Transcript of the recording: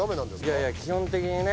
いやいや基本的にね